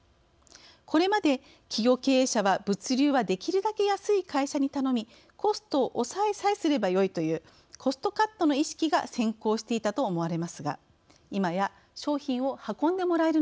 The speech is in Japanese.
これまで企業経営者は物流はできるだけ安い会社に頼みコストを抑えさえすればよいというコストカットの意識が先行していたと思われますが今や商品を運んでもらえるのか。